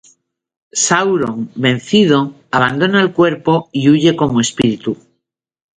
Sauron, vencido, abandona el cuerpo y huye como espíritu.